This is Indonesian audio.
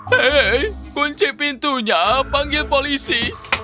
hei kunci pintunya panggil polisi